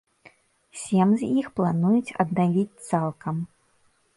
Сем з іх плануюць аднавіць цалкам.